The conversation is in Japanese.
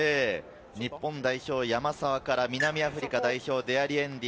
日本代表・山沢から南アフリカ代表・デアリエンディ。